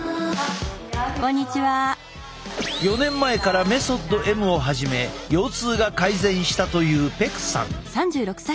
４年前からメソッドＭを始め腰痛が改善したというペクさん。